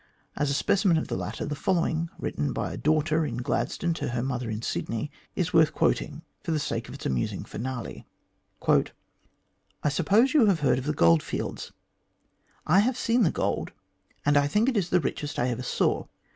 As a specimen of the latter, the following, written by a daughter in Gladstone to her mother in Sydney, is worth quoting for the sake of its amusing finale :" I suppose you have heard of the goldfields. I have seen the gold, and I think it is the richest I ever saw.